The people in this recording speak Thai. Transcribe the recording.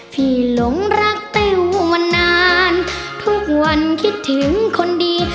หลงรักติ้วมานานทุกวันคิดถึงคนดี